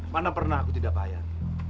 mana pernah aku tidak bayar